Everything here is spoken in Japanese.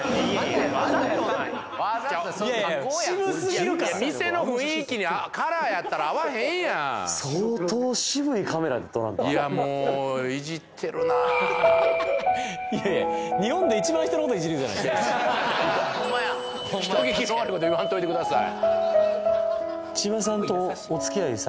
わざとなんよわざと加工やんいやいや渋すぎるから店の雰囲気にカラーやったら合わへんやん相当渋いカメラで撮らんといやもうイジってるないやいや日本で一番人のことイジるじゃないですかははははっほんまや人聞きの悪いこと言わんといてください